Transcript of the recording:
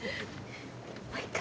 もう一回。